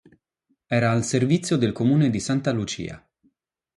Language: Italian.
Era al servizio del comune di Santa Lucia.